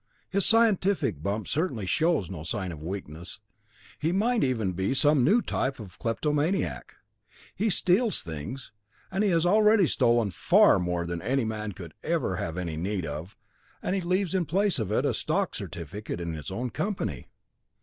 His scientific bump certainly shows no sign of weakness. He might even be some new type of kleptomaniac. He steals things, and he has already stolen far more than any man could ever have any need of, and he leaves in its place a 'stock' certificate in his own company.